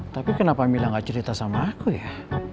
tapi kenapa mila gak cerita sama aku ya